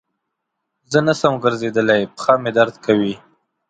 زه نسم ګرځیدلای پښه مي درد کوی.